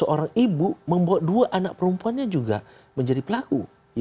tujuh orang ibu membawa dua anak perempuannya juga menjadi pelaku